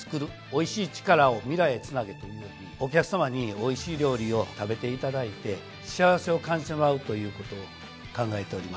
おいしい力を、未来へつなげ。」というようにお客さまにおいしい料理を食べていただいて幸せを感じてもらうということを考えております。